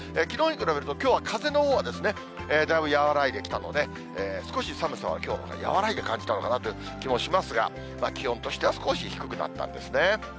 きのうに比べるときょうは風のほうはだいぶやわらいできたので少し寒さは、きょうのほうが和らいで感じたのかなという気もしますが、気温としては少し低くなったんですね。